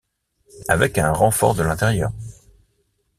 Avec un renfort de l’intérieur.